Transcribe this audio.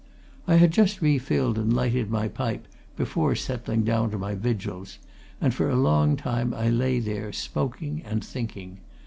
I had just refilled and lighted my pipe before settling down to my vigils, and for a long time I lay there smoking and thinking.